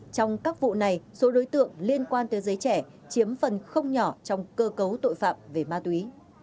trong các vụ này số đối tượng liên quan tới giới trẻ chiếm phần không nhỏ trong cơ cấu tội phạm về ma túy